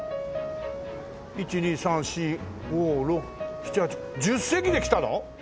１２３４５６７８１０隻で来たの？